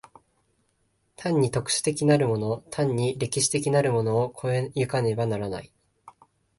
単に特殊的なるもの単に歴史的なるものを越え行かねばならない。